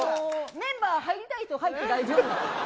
メンバー、入りたい人、入って大丈夫。